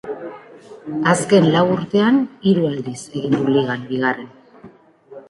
Azken lau urtean hiru aldiz egin du ligan bigarren.